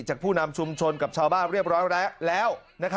ผู้นำชุมชนกับชาวบ้านเรียบร้อยแล้ว